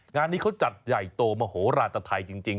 งานนี้เขาจัดใหญ่โตมโหราชไทยจริง